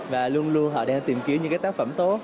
và luôn luôn họ đang tìm kiếm những tác phẩm